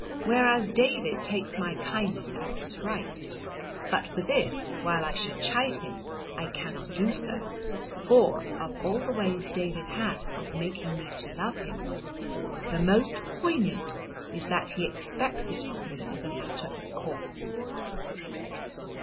Whereas David takes my kindness as his right. But for this, while I should chide him I cannot do so, for of all the ways David has of making me to love him the most poignant is that he expects it of me as a matter of course.